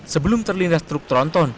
sebelum terlindas truk tronton